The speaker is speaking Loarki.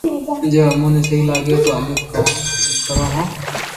جوي امو نو سھيي لاگي تو امو ڪوم ڪرو ھون